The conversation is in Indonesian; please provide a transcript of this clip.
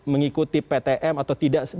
mengikuti ptm atau tidak